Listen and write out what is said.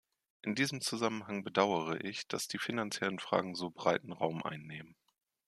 In diesem Zusammenhang bedauere ich, dass die finanziellen Fragen so breiten Raum einnehmen.